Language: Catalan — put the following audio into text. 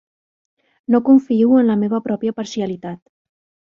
No confio en la meva pròpia parcialitat.